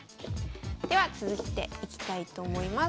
では続いていきたいと思います。